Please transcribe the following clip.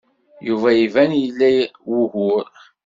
Yuba iban ila ugur.